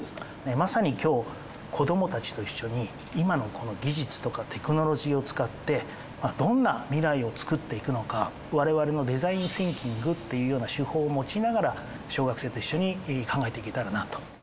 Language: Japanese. まさに今日子どもたちと一緒に今のこの技術とかテクノロジーを使ってどんな未来をつくっていくのか我々のデザインシンキングというような手法を用いながら小学生と一緒に考えていけたらなと。